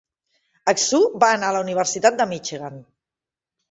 Hsu va anar a la Universitat de Michigan.